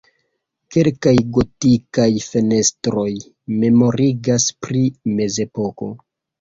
Kelkaj gotikaj fenestroj memorigas pri mezepoko.